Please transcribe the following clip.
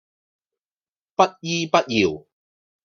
不依不饒